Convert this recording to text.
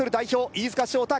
飯塚翔太